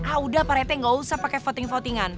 ah udah pak rete gak usah pakai voting votingan